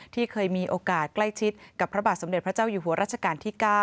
ที่เคยมีโอกาสใกล้ชิดกับพระบาทสมเด็จพระเจ้าอยู่หัวรัชกาลที่๙